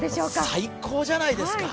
最高じゃないですか。